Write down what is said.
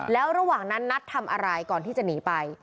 แล้วระหว่างนั้นนัดทำอะไรก่อนที่จะหนีไป